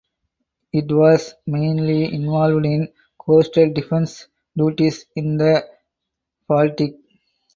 It was mainly involved in coastal defense duties in the Baltic.